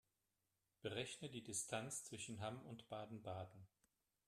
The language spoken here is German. Berechne die Distanz zwischen Hamm und Baden-Baden